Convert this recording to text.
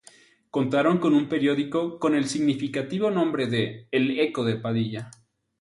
Contaron con un periódico con el significativo nombre de "El Eco de Padilla".